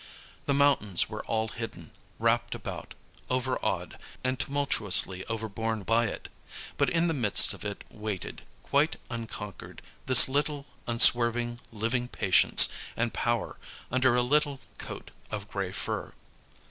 The mountains were all hidden, wrapped about, overawed, and tumultuously overborne by it, but in the midst of it waited, quite unconquered, this little, unswerving, living patience and power under a little coat of grey fur.